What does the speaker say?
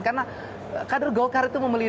karena kader golkar itu memilih